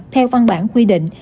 theo văn bản quy định